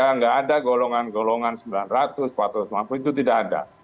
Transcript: tidak ada golongan golongan sembilan ratus empat ratus lima puluh itu tidak ada